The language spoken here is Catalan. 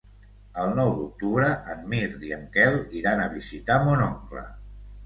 El nou d'octubre en Mirt i en Quel iran a visitar mon oncle.